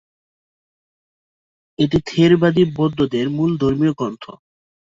এটি থেরবাদী বৌদ্ধদের মূল ধর্মীয় গ্রন্থ।